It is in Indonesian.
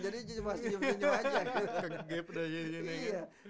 jadi masih nyum nyum aja gitu